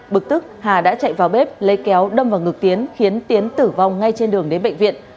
bực tức hà đã chạy vào bếp lấy kéo đâm vào ngực tiến khiến tiến tử vong ngay trên đường đến bệnh viện